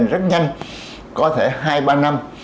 rất nhanh có thể hai ba năm